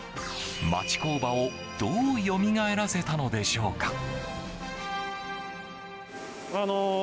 町工場を、どうよみがえらせたのでしょうか。